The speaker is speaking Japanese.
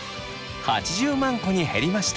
８０万個に減りました。